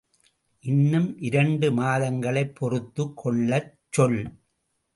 இன்னும் இரண்டு மாதங்கள் பொறுத்துக் கொள்ளச் சொல்!